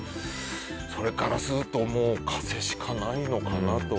それからすると風しかないのかなと。